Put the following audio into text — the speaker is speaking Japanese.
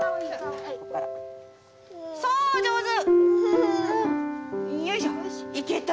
そう上手！